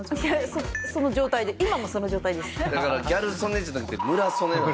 その状態で今もその状態です。